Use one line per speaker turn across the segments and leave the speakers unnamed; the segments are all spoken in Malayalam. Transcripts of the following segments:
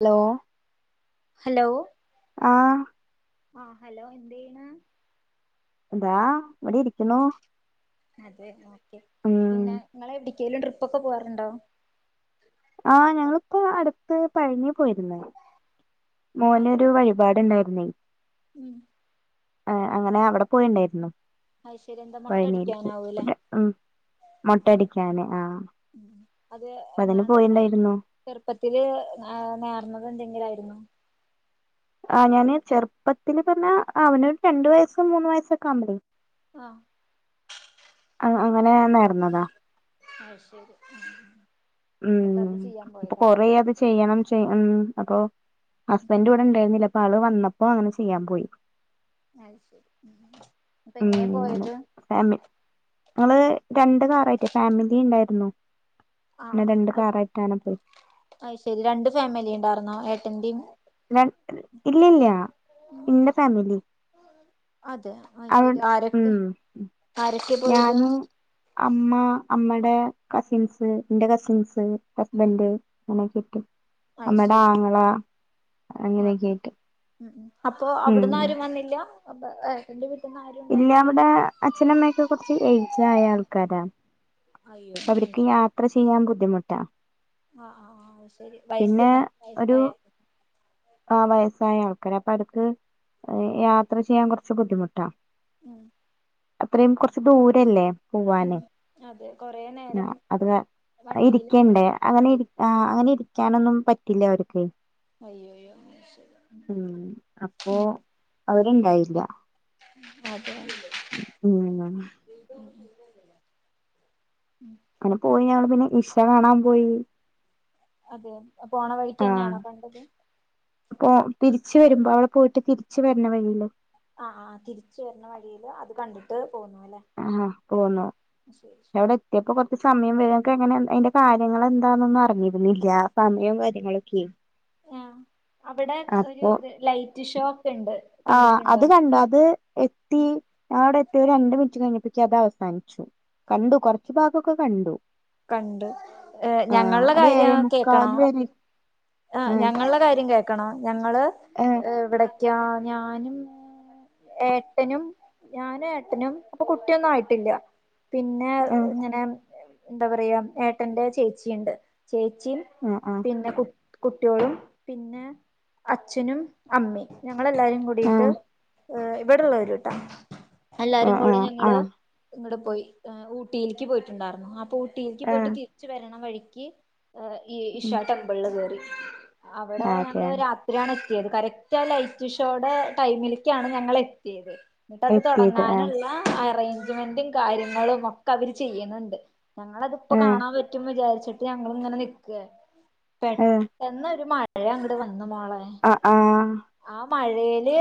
ഹലോ
ഹലോ
ആഹ്
ആ ഹലോ എന്തയ്യ്ണ്
ഇതാ ഇവിടെ ഇരിക്ക്ണു
അതെ ഓക്കെ പിന്നെ നിങ്ങള് എവിട്ക്കേലും ട്രിപ്പൊക്കെ പോവാറുണ്ടോ
ആ ഞങ്ങളിപ്പോ അട്ത്ത് പഴനി പോയിരുന്ന് മോന്
അതെ
ഒരു വഴിപാട് ഇണ്ടായിര്ന്നേ
ഉം
ആ അങ്ങനെ അവടെ പോയിണ്ടായിരുന്നു
അത് ശരി എന്താ
പഴനീക്ക്
മൊട്ടടിക്കാനാവൂല്ലേ
ഉം മൊട്ട അടിക്കാന് ആഹ് അപ്പ അതിന് പോയിണ്ടായിരുന്നു
ചെർപ്പത്തില് നേർന്നത് എന്തെങ്കിലായിരുന്നോ
ആ ഞാന് ചെർപ്പത്തില് പർഞ്ഞ അവന് രണ്ടു വയസ്സ് മൂന്ന് വയസൊക്കെ ആവുമ്പളേ
ആഹ്
അ അങ്ങനെ നേർന്നതാ
അയ് ശരി
ഉം
ന്നട്ട് അത് ചെയ്യാൻ
അപ്പൊ
പോയത ലെ
കൊറേ അത് ചെയ്യണം ചെയ് ഉം അപ്പോ ഹസ്ബൻഡ് ഇവടെ ഇണ്ടായിരുന്നില്ല അപ്പ ആള് വന്നപ്പോ അങ്ങനെ ചെയ്യാൻ പോയി
അയ് ശരി അപ്പ എങ്ങനാ പോയത്
ഫാമ് ഞങ്ങള് രണ്ട് കാറായിട്ട് ഫാമിലി ഇണ്ടായ്രുന്നു ന്നെ രണ്ട് കാറായിട്ടാണ് പോയി
അയ് ശെരി രണ്ട് ഫാമിലി ഇണ്ടാർന്നോ ഏട്ടന്റിം
രൻ ഇല്ല്യല്ല ഇന്റെ ഫാമിലി
അതെ അയ്
അവി
ശരി ആരെക്കെ
ഉം
ആരെക്കെ പോയത്
ഞാന് അമ്മ അമ്മെടെ കസിൻസ് ന്റെ കസിൻസ് ഹസ്ബന്ഡ് [unintelligible] ചുറ്റും
അത്
അമ്മെടെ
ശരി
ആങ്ങള
അതെ
അങ്ങനെയൊക്കെയായിട്ട്
ഉം ഉംഅപ്പൊ
ഉം
അവ്ട്ന്നാരും വന്നില്ല അപ്പ ഏട്ടന്റെ വീട്ടിന്ന് ആരും
ഇല്ല
ഉണ്ടായില്ല
അവിടെ അച്ഛനമ്മയൊക്കെ കുറിച്ച് ഏജ്ആയ ആൾക്കാരാ
അയ്യോ അത്
അവർക്ക്
ശരി
യാത്ര ചെയ്യാൻ ബുദ്ധിമുട്ടാ
ആഹ് ആഹ് അത് ശരി വയസ്
പിന്നെ
ന വയസ്സായ
ആഹ് വയസ്സായ ആൾക്കാര അപ്പൊ അത്ക്ക് യാത്ര ചെയ്യാൻ കുറച്ച് ബുദ്ധിമുട്ടാ
ഉം
അത്രേം കുറച്ച് ദൂരല്ലേ? പോവാന്
ഉം അതെ കൊറെ
ആ
നേരം
അത് കാ
വണ്ടീല് [unintelligible]
ആഹ് അങ്ങനെ ഇരിക്കാനൊന്നും പറ്റില്ല അവർക്ക്
അയ്യോയ്യോ
ഉം അപ്പോ
[unintelligible]
അവരുണ്ടായില്ല
അതെ
ഉം
[inaudible]
അങ്ങനെ പോയി ഞങ്ങള് പിന്നെ ഇഷ കാണാൻ പോയി
അതെ പോണ വഴിക്ക്ന്നെണോ കണ്ടത്
പ്പോ തിരിച് വരുമ്പോ അവടെ പോയിട്ട് തിരിച്ചു വരണ വഴിയില്
ആഹ് ആഹ് തിരിച് വരണ വഴിൽ അത് കണ്ടിട്ട് പോന്നുലെ
ആഹാ പോന്നു വിടെ ട്ട്യ പ്പൊകൊറച്ച് സമയംവരൊക്കെ എങ്ങനെ അതിന്റെ കാര്യങ്ങൾ എന്താന്നൊന്നും അറിഞ്ഞിരുന്നില്ല സമയവും കാര്യങ്ങളൊക്കെ
ആഹ് അവിടെ ഒരു
അപ്പൊ
ലൈറ്റ് ഷോ ഒക്കെ ഇണ്ട്
ആഹ് അത് കണ്ടു അത് ത്തി ഞ അവിടെ എത്തിയ രണ്ട് മിനിറ്റ് കഴിഞപ്പി അത് അവസാനിച്ചു കണ്ടു കൊറച്ചു ഭാഗൊക്കെ കണ്ടു
കണ്ട് എഹ്
ആഹ്
ഞങ്ങളുടെ
അത് ഏഴേ
കാര്യം കേക്കണോ
മുക്കാല് വരെ
ആഹ് ഞങ്ങൾടെ കാര്യം കേൾക്കണോ ഞങ്ങള്
ആഹ്
ഇവിടക്കാ ഞാനും ഏട്ടനും ഞാനും ഏട്ടനും അപ്പൊ കുട്ടിയൊന്നും ആയിട്ടില്ല പിന്നെ ഇങ്ങനെ എന്താ പറയാ ഏട്ടന്റെ ചേച്ചിണ്ട് ചേച്ചിയും
ആഹ് ആഹ്
പിന്നെ കു കുട്ട്യോളും പിന്നെ അച്ഛനും അമ്മി ഞങ്ങളെല്ലാരും
ആഹ്
കൂടിയിട്ട്
ആഹ്
എഹ് ഇവിടെള്ളോരുട്ടാ എല്ലാവാരും കൂടെ
ആഹ് ആഹ്
ഞങ്ങള്
ആഹ്
ഇങ്ങടെ പോയി ഊട്ടിയിൽക്ക് പോയിട്ടുണ്ടായിരുന്നു അപ്പഊ ട്ടീക്ക് പോയിട്ട്
ആഹ്
തിരിച് വരണ വഴിക്ക് ഈ
ഉം
ഇഷാ ബള് കേയറി അവിടെ
അതെ
ഞങ്ങള് രാത്രിയാണ് എത്തിയത് കറക്റ്റ് ആ ലൈറ്റ് ഷോടെ ടൈമിൽ ക്യാണ് ഞങ്ങള് എത്തിയത് ന്നട്ട് അത്
എത്തിയത് ആഹ്
തൊടങ്ങാനുള്ള അറേൻജ്മെന്റ് കാര്യങ്ങളും ഒക്കെ അവര് ചെയ്യുന്നുണ്ട് ഞങ്ങളതിപ്പോ
ആഹ്
കാണാൻ പ റ്റും വിചാരിച്ചിട്ട് ഞങ്ങളിങ്ങനെ നിക്കാണ് നക്ക പെ
ആഹ്
ട്ടെന്നൊരു മഴ അങ്ങട് വന്ന് മോളെ
അഹ് ആഹ്
ആ മയേല്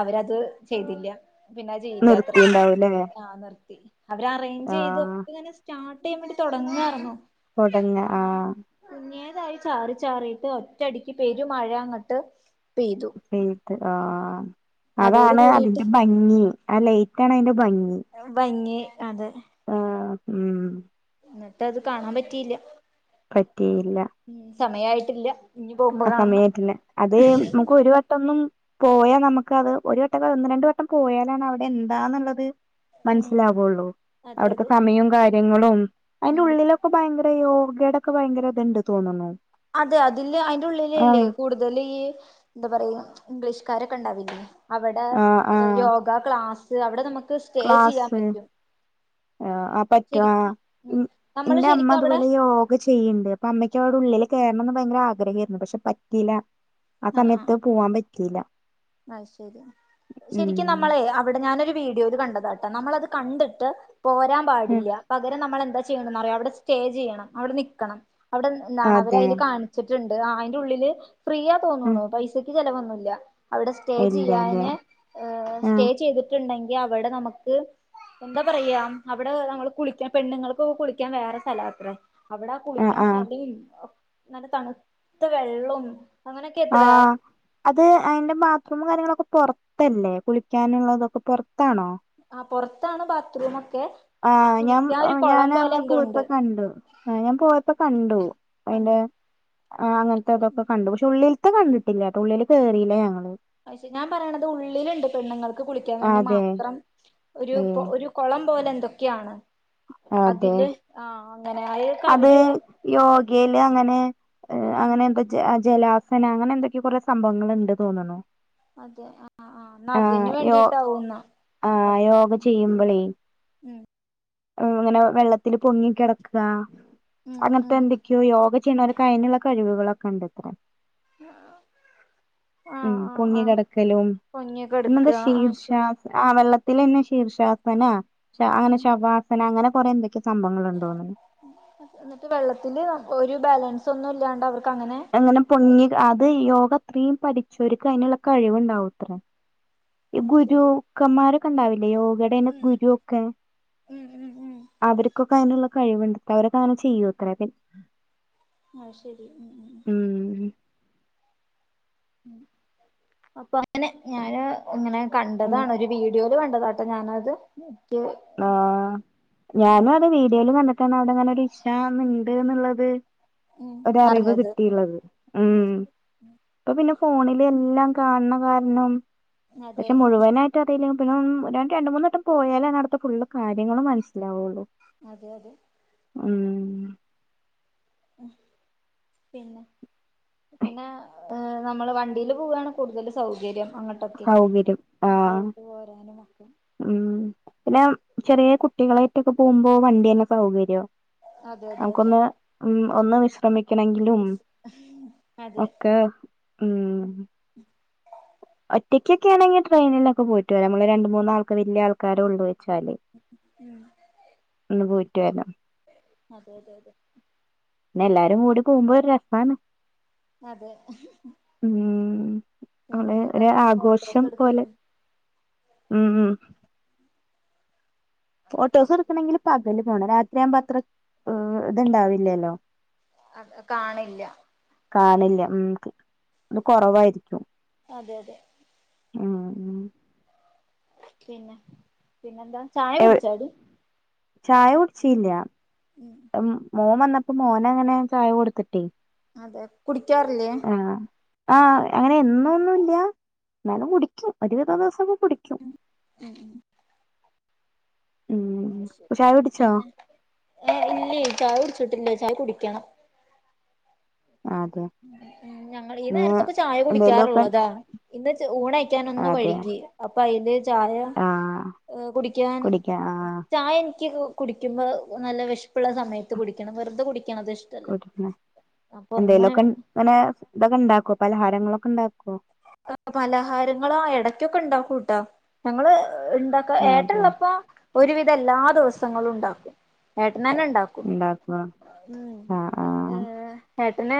അവരത് ചെയ്തില്ല പിന്നെ അഹ് ചെയ്യില്ല അത്ര
നിർത്തിണ്ടാവൂല്ലേ
ആഹ് നിർത്തി അവര് അറേഞ്ച് ചെയ്ത
ആഹ്
ഒക്കെ ഇങ്ങനെ സ്റ്റാർട്ട് ചെയ്യാൻ വേണ്ടി തുടങ്ങാരുന്നോ
തുടങ്ങ ആഹ്
ങ്ങേതായി ചാറി ചാറിയിട്ട് ഒറ്റടിക്ക് പെരു മഴ അങ്ങട്ട് പെയ്തു
പെയ്ത് ആഹ്
അതോട്
അതാണ്
കൂടിയിട്ട്
അതിന്റെ ഭംഗി ആ ലേറ്റ് ആണ് അതിന്റെ ഭംഗി
ഭംഗി അതെ
ആഹ് ഉം
ന്നട്ട് അത് കാണാൻ പറ്റിയില്ല
പറ്റിയില്ല
ഉം സമയായിട്ടില്ല ഇനി പോകുമ്പോ
ആ
കാണണം
സമയായിട്ട്ല്ല അത് മുക്ക് ഒരു വട്ടൊന്നും പോയാ നമുക്ക് അത് ഒരു വട്ടം ഒന്ന് രണ്ട് വട്ടം പോയാലാണ് അവിടെ എന്താന്നുള്ളത്
ഉം
മനസ്സിലാവുള്ളൂ
അതെ
അവിടുതെ
അതെ
സമയും കാര്യങ്ങളും അയ്ന്റെ
ഉം
ഉള്ളിലൊക്കെ ഭയങ്ക അയ്യോ യെടക്ക് ഭയങ്കര ഇത് ഉണ്ട് തോന്നുന്നു
അതെ അതില് അതിന്റെ ഉള്ളിൽല്ലേ
ആഹ്
കൂടുതൽ ഈ എന്താ പറയാ ഇംഗ്ലീഷ് കാരൊക്കെ ഉണ്ടാവില്ലേ അവിടെ
ആഹ് ആഹ്
യോഗ ക്ലാസ് അവിടെ നമുക്ക് സ്റ്റേ ചെയ്യാൻ
ക്ലാസ്
പറ്റും
ആഹ് ആഹ് പറ്റും ആഹ്
ശരിക്കും ഉം നമ്മള്
ഇന്റെ അമ്മ
ശരിക്കും അവിടെ
അതുപോലെ ഇ ഓഹ് ഒക്കെ ചെയ്യുന്നുണ്ട് അപ്പൊ അമ്മക്ക് അവിടെ ഉള്ളിൽ കയറണംന്ന് ഭയങ്കര ആഗ്രഹമായിരുന്നു പക്ഷെ പറ്റീല്ല ആ സമയത്ത് പോവാൻ പറ്റിയില്ല
അഹ് ശരി
ഉം
ശരിക്കും നമ്മളെ അവിടെ ഞാനൊരു വീഡിയോൽ കണ്ട ട്ട നമ്മളത് കണ്ടിട്ട് പോരാൻ
ഉം
പാടില്ല പകരം നമ്മൾെന്താ ചെയ്യണംെന്ന്റ അവിടെ സ്റ്റേ ചെയ്യണം അവിടെ നിക്കണം അവിടെ എന്താണ് അവര
അതെ
അതിൽ കാണ വെച്ചിട്ടുണ്ട് അയിന്റെ ഉള്ളില് ഫ്രീ യാ
ഉം
തോന്നണോ പൈസക്ക് ചിലവന്നുല്ല അവിടെ സ്റ്റേ
ഇല്ലല്ലേ
ചെയ്യാന് സ്റ്റേ
ആഹ്
ചെയ്തിട്ടുണ്ടെങ്കിൽ അവിടെ നമുക്ക് എന്താ പറയാ അവിടെ നമ്മള് കുളിക്കാൻ പെണ്ണുങ്ങൾക്ക് കുളിക്കാൻ വേറെ സ്ഥലം അത്രേ അവിടെ ആ
ആഹ്
കുളിക്കണ
ആഹ്
സ്ഥലയും നല്ല തണുത്ത വെള്ളും
ആഹ് അത് അതിന്റെ ബാത്റൂം കാര്യങ്ങളൊക്കെ പുറത്തല്ലേ കുളിക്കാനുള്ളതൊക്കെ പുറത്താണോ
ആഹ് പുറത്താണ് ബാത്റൂമ ഒക്കെ
ആഹ് ഞാമ് ഞാൻ അന്ന്
ഉണ്ട്
പോയിപ്പൊ കണ്ടു ആഹ് ഞാൻ പോയപ്പോ കണ്ടു അയിന്റെ
കണ്ടോ
ആഹ് അങ്ങനത്തെ ഇതൊക്ക കണ്ടു പക്ഷെ ഉള്ളിലത്തെ കണ്ടിട്ടില്ല ട്ട ഉള്ളില് കേയറിയില്ലേ ഞങ്ങള്
അയ് ഷേ ഞാൻ പറയണത് ഉള്ളിലുണ്ട് പെണ്ണുങ്ങൾക്ക് കുളിക്കാൻ വേണ്ടി
അതെ
മാത്രം ഒരു ഒരു കൊളം പോലെ എന്തൊക്കെയാണ്
ആഹ് അതെ
അതില് ആ അങ്ങനെ അതൊക്കെ
അത്
അവര്
യോഗയില് അങ്ങനെ അങ്ങനെ എന്താ ജലാസന അങ്ങനെ എന്തൊക്കെ കൊറെ സംഭവങ്ങൾണ്ട് തോന്ന്ണു
അതെ ആഹ് ആഹ് അതിന് വേണ്ടിട്ടാവുന്ന
ആഹ്
അത്
യോഗ ചെയ്യുമ്പളേ ഇങ്ങനെ വെള്ളത്തിൽ പൊങ്ങി കിടക്ക
ഉം
അങ്ങനത്തെ
ഉം
ന്തി [unintelligible] യോഗ ചെയ്യണവർക്ക് അതിനുള്ള കഴിവുകളളൊക്കെ ഉണ്ടത്ര
ആഹ്
ഉം പൊങ്ങി കടക്കലും
പൊങ്ങിയൊക്കെ എടുക്ക
പിന്നെന്താ
ആ
ശീർഷ
ശരി
ആഹ് വെള്ളത്തിലെന്നെ ശീർഷാസനാ അങ്ങനെ
ഉം
ശവാസ അങ്ങനെ കൊറെ എന്തൊക്കെ സംഭങ്ങൾ ഉണ്ടോന്ന്‌ണ്
ഇന്നിട്ട് വെള്ളത്തില് ഒരു ബാലൻസ് ഒന്നും ഇല്ലാണ്ട് അവർക്ക്
അങ്ങനെ പൊങ്ങി അത് യോഗ അത്രയും പഠിചോർക്ക് അതിനുള്ള കഴിവുണ്ടാവോ ത്രേ. ഈ
ശരി
ഗുരുക്കന്മാരൊക്കെ ഉണ്ടാവില്ലേ യോഗയുടെന്നെ
ഉം
ഗുരു ഒക്കെ
ഉം ഉം ഉം
അവർക്കൊക്കെ അതിനുള്ള കഴിവ്ണ്ടത്രേ അവരൊക്കെ അങ്ങനെ ചെയ്യു ത്രേ.
ആഹ് ശരി ഉം ഉം ഉം
ഉം ഉം
അപ്പൊ അങ്ങനെ ഞാന് ഇങ്ങനെ
ഉം
കണ്ടതാണ് ഒര് വീഡിയോല് കണ്ടതാട്ടൊ ഞാനത്
ആഹ് ഞാനും അത് വീഡിയോയില് കണ്ട്ട്ടാണ് അവിടെ അങ്ങനെ ഒരു [unintelligible] ഇണ്ട് എന്നുള്ളത് ഒരറിവ്
അറിഞ്ഞത്
കിട്ടിള്ളത് ഉം ഇപ്പൊ പിന്നെ ഫോണില് എല്ലാം കാണണ കാരണം
അതെ
പക്ഷെ മുഴുവനായി [unintelligible] പിന്നെ രണ്ട് മൂന്നട്ടം പോയാലാണ് അവ്ട്ത്തെ ഫുള് കാര്യങ്ങളും മനസ്സിലാവുള്ളൂ
അതെ അതെ
ഉം
പിന്നെ പിന്നെ ഏഹ് നമ്മള് വണ്ടീല് പോവാണ് കൂടുതൽ സൗകര്യം അങ്ങ് ക്കെ
സൗകര്യം ആഹ്
പോയിട്ട് പോരാനൊക്കെ
ഉം പിന്നെ ചെറിയ കുട്ടികളേറ്റൊക്കെ പോവുമ്പോ വണ്ടി തന്നെ സൗകര്യോ
അതെ അതെ അതെ
നമുക്കൊന്ന് ഉം ഒന്ന് വിശ്രമിക്ക വിശ്രമിക്കണെങ്കിലും
അതെ
ഒക്കെ ഉം.
[inaudible]
ഒറ്റക്കൊക്കെണെങ്കില് ട്രെയിനിലൊക്കെ പോയിട്ട് വെരാം. ന്നമ്മള് രണ്ട് മൂന്നാൾക്ക് വല്യേ ആൾക്കാരോള്ളൂച്ചാല്.
ഉം.
ഒന്ന് പോയൂറ്റ് വെരാം.
അതെ അതെ അതെ.
പിന്നെ എല്ലാരും കൂടി പോക്മ്പോ ഒരു രസാണ്.
അതെ.
ഉം നമ്മള്
പിന്നെന്താ
ഒരു
ഫോട്ടോക്കെ
ആഘോഷം പോലെ
എടുക്കലും.
ഉം ഉം. ഫോട്ടോസ് എടുക്ണങ്കില് പകല് പോകണം. രാത്രിയാവുമ്പോ അത്ര ഇത്ണ്ടാവില്യല്ലോ.
അത് അഹ് കാണില്ല.
കാണില്ല. ഉം ത് ഇത് കൊറവായിരിക്കും.
അതെ അതെ.
ഉം ഉം.
പിന്നെ പിന്നെന്താ. ചായ കുടിചാടി?
ചായ കുടിച്ചീല്ല.
ഉം
ഉം മോൻ വന്നപ്പോ മോനങ്ങനെ ചായ കൊടുത്തിട്ടേ,
അതെ. കുടിക്കാറില്ലേ?
ആ ആ അങ്ങനെ എന്ന് ഒന്നുല്ല. എന്നാലും കുടിക്കും. ഒരുവിധം ദിവസൊക്കെ കുടിക്കും.
ഉം ഉം ഉം.
ഉം ചായ കുടിച്ചോ
പിന്നെ, ഏ ഇല്ലേ ചായ കുടിച്ചിട്ടില്ല, ചായ കുടിക്കണം.
അ അതെ.
ഞങ്ങളീ
ഇന്ന്
നേരത്തൊക്കെ ചായ
എന്തേലുമൊക്കെ
കുടിക്കാറുള്ളതാ. ഇന്ന് ഊണ യ്ക്കാൻ ഒന്ന്
അതെ
വഴുകി. അപ്പൊ അയില് ചായ
ആഹ്
ഏഹ് കുടിക്കാൻ
കുടിക്കാ ആഹ്
ചായ എനിക്ക് കുടിക്കുമ്പോ നല്ല വിശപ്പുള്ള സമയത്ത് കുടിക്കണം. വെറുതെ കുടിക്കണത് ഇഷ്-
[unintelligible] എന്തെലുമൊക്കെ ഇങ്ങനെ ഇതൊക്കെ ഇണ്ടാക്കോ? പലഹാരങ്ങളൊക്കെ ഇണ്ടാക്കോ?
പലഹാരങ്ങളാ ആ ഇടക്കൊക്കെ ഉണ്ടാക്കൂട്ടാ. ഞങ്ങള് ഇണ്ട- ക്ക
അതെ
ഏട്ടള്ളപ്പോ ഒരുവിധം എല്ലാ ദിവസങ്ങളും ഉണ്ടാക്കും. ഏട്ടനന്നെ ഉണ്ടാക്കും.
ഉണ്ടാക്കുവാ.
ഉം
ആ ആ.
ഏഹ് ഏട്ടന്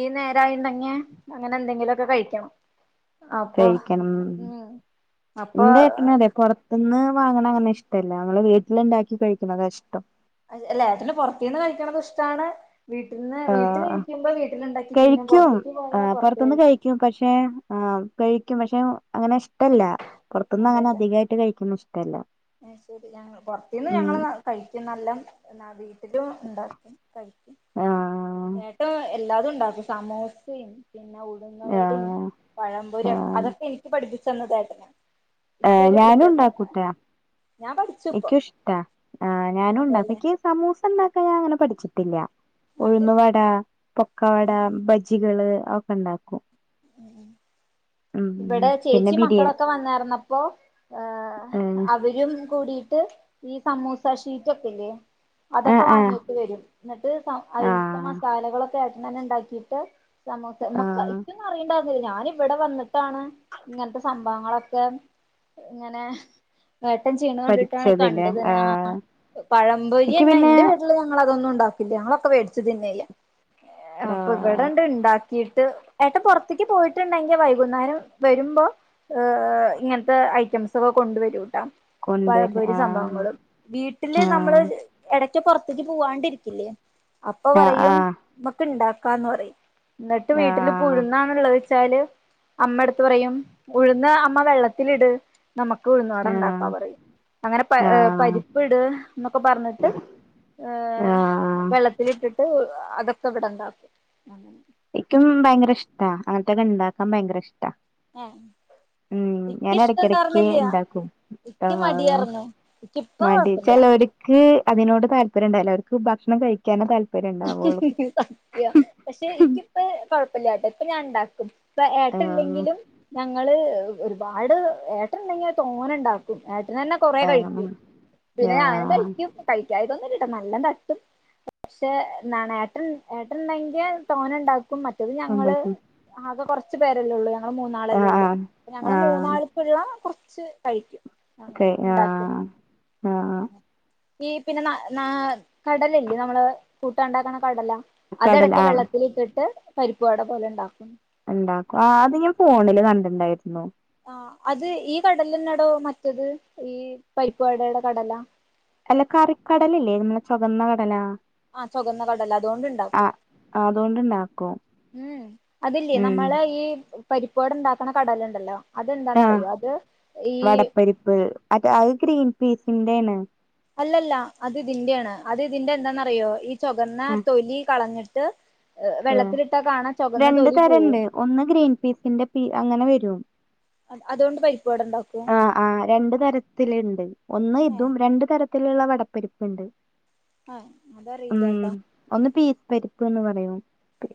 ഈ നേരായിണ്ടങ്ങ്യ അങ്ങനെ എന്തെങ്കിലുമൊക്കെ കഴിക്കണം. അപ്പ
കഴിക്കണം
ഉം അപ്പ
ഒന്ന് വാങ്ങണണ അങ്ങനെ ഇഷ്ടമല്ല. നമ്മള് വീട്ടിലുണ്ടാക്കി കഴിക്കുന്നതാ ഇഷ്ടം.
അല്ല ഏട്ടന് പുറത്തു നിന്ന് കഴിക്കണത് ഇഷ്ടമാണ്. വീട്ടിൽന്ന്
ആഹ്
വീട്ടിലിരിക്കുമ്പോ വീട്ടിലുണ്ടാക്കി തിന്നും.
കഴിക്കും
പൊറത്തേക്ക് പോയാ
ആഹ്
പൊറത്ത്
പുറത്തുന്ന്
കഴിക്കും.
പക്ഷെ ആഹ് കഴിക്കും. പക്ഷെ അങ്ങനെ ഇഷ്ടമല്ല. പൊറത്തുന്ന് അങ്ങനെ അധികമായിട്ട് കഴിക്കുന്ന ഇഷ്ടല്ല.
അയ്‌ ശരി. ഞ പുറത്തുന്ന്
ഉം
ഞങ്ങള് കഴിക്കും ന്നല്ലാ എന്നാ വി ട്ടിലും ഉണ്ടാകും കഴിക്കും.
ആഹ്
ഏട്ടാ [unintelligible] എല്ലാതും ഉണ്ടാക്കും. സമോസയും, പിന്നെ ഉടുന്നവടയും,
ആഹ്
പഴംപൊരി
ആഹ്
അതൊക്കെ എനിക്ക് പഠിപ്പിച്ചന്നതേട്ടനാ.
ഏഹ് ഞാനുംണ്ടാക്കൂട്ട.
ഞാൻ പഠിച്ചു ഇപ്പൊ
ൻക്ക് ഇഷ്ടാ, ആ ഞാനും ഉണ്ടാക്കും.
അതെല്ലേ
എനിക്ക് സമൂസ ഇണ്ടാക്കാൻ ഞാൻ അങ്ങനെ പഠിച്ചിട്ടില്ല.
അതെ
ഉഴന്നു വട, പൊക്ക വട, ബ ജ്ജികള് അ ഒക്കെ ഉണ്ടാക്കും. ഉം
ഇബടെ
പിന്നെ
ചേച്ചി
ബിരിയാ
മക്കളൊക്കെ വന്നേർന്നപ്പോ, ആഹ്
ഏഹ്
അവരും കൂടിയിട്ട് ഈ സമൂസ ഷീറ്റ് ഒക്കെല്ലേ.
ആഹ്
അതൊക്കെ
ആഹ്
വാങ്ങിട്ട് വരും. എന്നിട്ട് സ അതിൽത്തെ
ആഹ്
മസാലകളൊക്കെ ഏട്ടൻ തന്നെ ഉണ്ടാക്കിയിട്ട്, സമൂസ മ്മക്ക്
ആഹ്
എനിക്കൊന്നും അറിയണ്ടായിരുന്നില്ല. ഞാനിവിടെ വന്നി ട്ടാണ് ഇങ്ങനത്തെ സംഭവങ്ങളൊക്കെ ഇങ്ങനെ, ഏട്ടൻ ചെയണ കണ്ടിട്ടാണ്
പഠിച്ചതില്ലേ
കണ്ടത്. ആ
ആഹ് എനിക്ക്
പഴമ്പൊരിന്നെ
പിന്നെ
എന്റെ വീട്ടില് ഞങ്ങള അതൊന്നും ഉണ്ടാക്കു ല്ല ഞങ്ങളൊക്കെ വേടിച്ചു തിന്നേ ചെയ്യാ. അപ്പൊ
ആഹ്
ഇവിടെണ്ട് ഇണ്ടാക്കി, ട്ട് ഏട്ടൻ പൊറത്തിക്ക് പോയിട്ടുണ്ടെങ്കിൽ വൈ വൈകുന്നേരം വരുമ്പോ ഏഹ് ഇങ്ങനത്തെ ഐറ്റംസ് ഒക്കെ കൊണ്ടുവരൂട്ടാ
കൊണ്ടുവര
പഴംപൊരി
ആഹ്
സംഭവങ്ങളും വീട്ടില് നമ്മള്
ആഹ്
എടക്ക് പൊറത്തിക്ക് പോവാണ്ടിരിക്കില്ലേ അപ്പൊ പറയും
ആഹ്
നമ്മക്ക് ഇണ്ടാക്കാന്ന് പറയും ഇന്നിട്ട് വീട്ടില് ഇപ്പൊ
ആഹ്
ഉഴുന്നാണ് ഉള്ളത് വെച്ചാല് അമ്മ എടുത്ത് പറയും ഉഴന്ന് അമ്മ വെള്ളത്തിലിട് നമക്ക് ഉഴുന്നുവട
ആഹ് ആഹ്
ഉണ്ടാക്കാ പറയും അങ്ങനെ പ
ആഹ്
പരിപ്പ് ഇട് എന്നൊക്കെ പറഞ്ഞിട്ട് ഏഹ്
ആഹ്
വെള്ളത്തിലിട്ടിട്ട് അതൊക്കെ ഇവിടെ ഇവിടെണ്ടാക്കും
ഇക്കും ഭയങ്കര ഇഷ്ടാ അങ്ങനെത്തൊക്കെ ഇണ്ടാക്കാൻ ഭയങ്കര ഇഷ്ടാ
ഏഹ്
ഉം
ഇക്ക്
ഞാൻ എടക്കെടക്ക്
ഇഷ്ടംണ്ടാർന്നില്ല്യ
ഇണ്ടാക്കും
ഇക്ക്
ആഹ്
മടിയാർന്നു ഇക്കി ഇപ്പൊ കൊഴപ്പില്ല
ഇക്ക് അതിനോട് താല്പര്യം ഉണ്ടാവില്ല ഓർക്ക് ഭക്ഷണം കഴിക്കാനെ താല്പര്യം ഉണ്ടാവുള്ളൂ
സത്യം പക്ഷെ ഇക്കി ഇപ്പ കൊഴപ്പില്ലാട്ടോ ഇപ്പൊ ഞാൻ ഉണ്ടാക്കും ഇപ്പ ഏട്ടൻ
ആഹ്
ഇല്ലെങ്കിലും ഞങ്ങള് ഒരുപാട് ഏട്ടൻണ്ടെങ്കിൽ തോനെണ്ടാക്കും ഏട്ടൻ തന്നെ കൊറേ
ആഹ്
കഴിക്കും പിന്നെ ഞാനും
ആഹ്
കഴിക്കും കഴിക്കായ്ക ഒന്നുംല്ലട്ട നല്ലം തട്ടും പക്ഷേ എന്നാണ് ഏട്ടൻ ഏട്ടൻണ്ടെങ്കിൽ തോന ഇണ്ടാക്കും മറ്റത് ഞങ്ങള്
ഉണ്ടാക്കി
ആകെ കുറച്ച് പേരെല്ലേ ഉള്ളൂ ഞങ്ങള് മൂന്നാളല്ലേ
ആഹ്
ഉള്ളൂ
ആഹ്
ഞങ്ങള്
ആഹ്
മൂന്നാൾക്ക്ള്ള കൊറച്ച് കഴിക്കും
ക്കെ
അങ്ങനെ ഉണ്ടാക്കും
ആഹ് ആഹ്
ഈ പിന്നെ ന ന കടല ഇല്ലേ നമ്മള് കൂട്ടാൻ ഇണ്ടാക്കണ കടല
കടല
അതെടയ്ക്ക്
ആഹ്
വെള്ളത്തിലിട്ടിട്ട് പരിപ്പ് വട പോലെ ഇണ്ടാക്കും
ഇണ്ടാക്കും ആഹ് അത് ഞാൻ ഫോണില് കണ്ടിണ്ടായിരുന്നു
ആഹ് അത് ഈ കടലന്നെടോ മറ്റത് ഈ പരിപ്പു വടയുടെ കടലാ
അല്ല കറിക്കടല ഇല്ലേ നമ്മളെ ചൊകന്ന കടലാ
ആഹ് ചൊകന്ന കടല അതോണ്ട് ഇണ്ടാക്കും
അതോണ്ട്ണ്ടാക്കും
ഉം അതില്ലേ
ഉം
നമ്മളെ ഈ പരിപ്പ് വടണ്ടാക്കണ കടലണ്ടല്ലോ അതെന്താന്നറിയോ അത് ഈ
പരിപ്പ് അത് അഅ് ഗ്രീൻ പീസിന്റെണ്
അല്ലല്ല അത് ഇതിന്റെണ് അത് ഇതിന്റെ എന്താന്നറിയോ ഈ ചൊകന്ന
ആഹ്
തൊലി കളഞ്ഞിട്ട്
ഏഹ്
വെള്ളത്തിലിട്ടാ കാണാ ചൊകന്ന
രണ്ട്
തൊലി പോവും
തരണ്ട് ഒന്ന് ഗ്രീൻ പീസിന്റെ പി അങ്ങനെ വരും
പോവും അതുകൊണ്ട് പരിപ്പുവട ഉണ്ടാക്കും
ആഹ് ആഹ് രണ്ട് തരത്തില്ണ്ട് ഒന്ന്
ഏ
ഇതും രണ്ടു തരത്തി ത്തിലുള്ള വടപ്പരിപ്പ് ഉണ്ട്
ആഹ അതറിയില്ലാട്ടാ
ഒന്ന് പീസ് പരിപ്പ്ന്ന് പറയും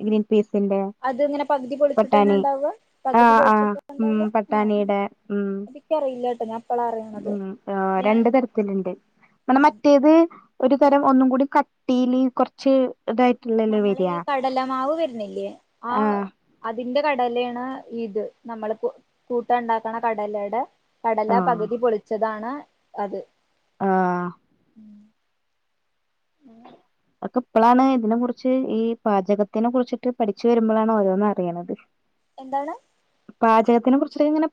ഗ്രീൻ പീസിന്റെ
അത്ങ്ങനെ പകുതി പൊളിച്ചിട്ടെന്നെ
ബട്ടാണി
ഇണ്ടാവ പകുതി
ആഹ് ആഹ്
പൊളിച്ചിട്ടെന്ന
ഉം
ഇണ്ടാവ
പട്ടാണിയുടെ ഉം ഉം ആഹ്
ഞാൻ
രണ്ടു തരത്തിലുണ്ട് മ്മളെ
ഉം
മറ്റേത് ഒരു
ഉം
തരം ഒന്നും കൂടി കട്ടീല് കുറച്ച് ഇതായി
നമ്മള ഈ കടലമാവ് വര്ന്നില്ലേ ആ
ആഹ്
അതിന്റെ കടലേണ് ഇത് നമ്മള് കൂട്ടാണ്ടാക്കണ കടലേടെ കടല
ആഹ്
പകുതി പൊളിച്ചതാണ് അത്
ആഹ അഒക്കെ ഇപ്പളാണ് ഇതിനെ കുറിച്ച് ഈ പാചകത്തിനെ കുറിച്ചിട്ട് പഠിച്ച് വരുമ്പോഴാണ് ഓരോന്ന് അറിയിണത്
എന്താണ്
പാചകത്തിനെ കുറിച്ചിട്ട് ഇങ്ങനെ